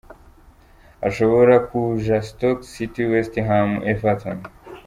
Ashobora kuja:Stoke City, West Ham United, Everton.